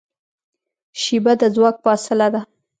شیبه د ځواک فاصله ده.